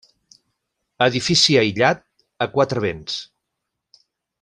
Edifici aïllat, a quatre vents.